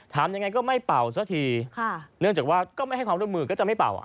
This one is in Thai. ทำยังไงก็ไม่เป่าสักทีเนื่องจากว่าก็ไม่ให้ความร่วมมือก็จะไม่เป่า